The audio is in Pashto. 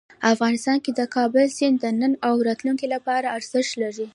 افغانستان کې د کابل سیند د نن او راتلونکي لپاره ارزښت لري.